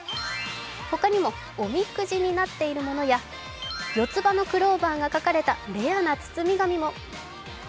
他にも、おみくじになっているものや、四つ葉のクローバーが描かれたレアな包み紙も。